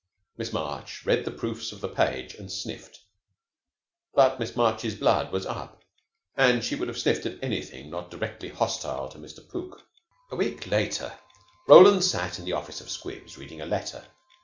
Miss March read the proofs of the page, and sniffed. But Miss March's blood was up, and she would have sniffed at anything not directly hostile to Mr. Pook. A week later Roland sat in the office of 'Squibs,' reading a letter.